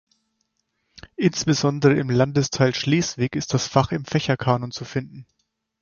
Insbesondere im Landesteil Schleswig ist das Fach im Fächerkanon zu finden.